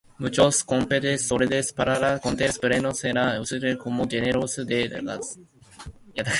Muchos combustible sólidos para cohetes pueden ser utilizadas como generadores de gas.